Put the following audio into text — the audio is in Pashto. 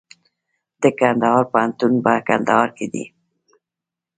د کندهار پوهنتون په کندهار کې دی